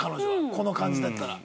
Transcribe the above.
この感じだったら。